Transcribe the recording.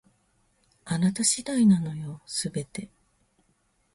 あなた次第なのよ、全て